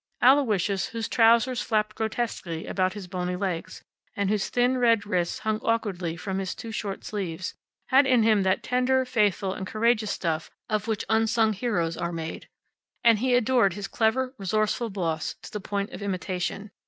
Aloysius, whose trousers flapped grotesquely about his bony legs, and whose thin red wrists hung awkwardly from his too short sleeves, had in him that tender, faithful and courageous stuff of which unsung heroes are made. And he adored his clever, resourceful boss to the point of imitation.